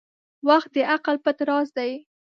• وخت د عقل پټ راز دی.